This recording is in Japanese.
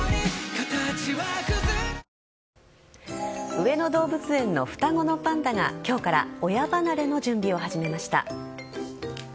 上野動物園の双子のパンダが今日から親離れの準備を始めました。